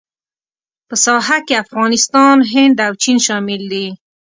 په ساحه کې افغانستان، هند او چین شامل دي.